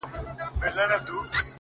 خو چي تر کومه به تور سترگي مینه واله یې،